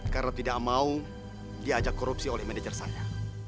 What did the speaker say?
karena tidak mau diajak korupsi oleh manajer saya